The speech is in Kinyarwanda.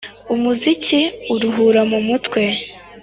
Umuziki uruhura mumutwe